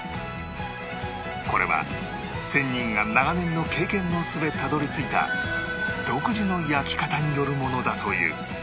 これは仙人が長年の経験の末たどり着いた独自の焼き方によるものだという